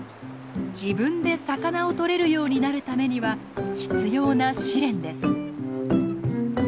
自分で魚を取れるようになるためには必要な試練です。